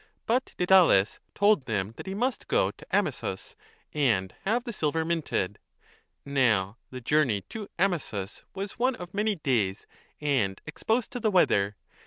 But Didales told them that he must go to Amisus and have the silver minted. Now the journey to Amisus was one of many days and exposed to the weather.